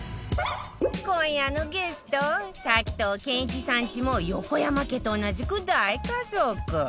今夜のゲスト滝藤賢一さんちも横山家と同じく大家族